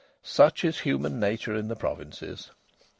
Such is human nature in the provinces!